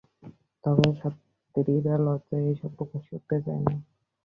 তবে ছাত্রীরা লজ্জায় এসব প্রকাশ করতে চায় না।